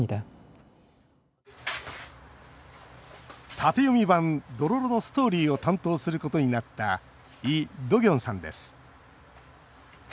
縦読み版「どろろ」のストーリーを担当することになったイ・ドギョンさんです。